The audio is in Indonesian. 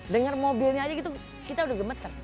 dengar mobilnya saja itu kita sudah gemeter